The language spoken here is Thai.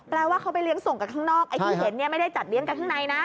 ว่าเขาไปเลี้ยงส่งกันข้างนอกไอ้ที่เห็นเนี่ยไม่ได้จัดเลี้ยงกันข้างในนะ